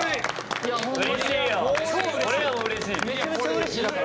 うれしいよ。